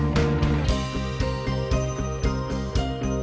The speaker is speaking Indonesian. lalu kita jumpa bonon